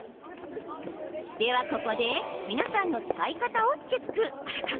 では、ここで皆さんの使い方をチェック。